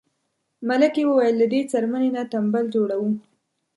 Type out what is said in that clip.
ملکې وویل له دې څرمنې نه تمبل جوړوو.